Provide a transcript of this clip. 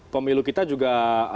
pemilu kita juga